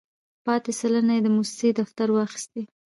پاتې سلنه یې د موسسې دفتر واخیستې.